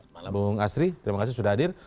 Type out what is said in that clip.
malam bung asri terima kasih sudah hadir